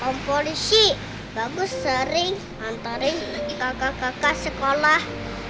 kompolisi bagus sering antarin kakak kakak sekolah